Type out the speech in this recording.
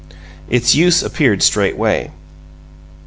Its use appeared straightway.